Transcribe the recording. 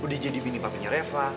udah jadi bini papenya reva